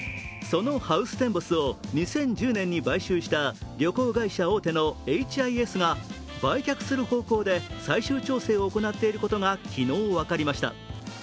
そのハウステンボスを２０１０年に買収した旅行会社大手のエイチ・アイ・エスが売却する方向で最終調整していることが昨日、分かりました。